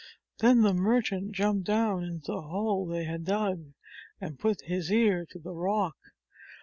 Then the merchant jumped down into the hole they had dug, and put his ear to the rock.